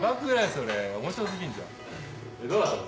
それ面白すぎんじゃんでどうなったの？